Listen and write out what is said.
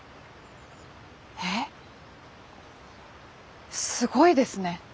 えっすごいですね！